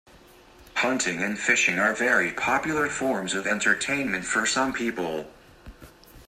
Hunting and fishing are very popular forms of entertainment for some people.